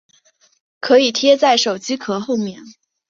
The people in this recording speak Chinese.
可以贴在手机壳后面